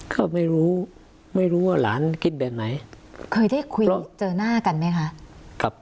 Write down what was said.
ก็ไม่รู้ไม่รู้ว่าหลานคิดแบบไหนเคยได้คุยเจอหน้ากันไหมคะครับ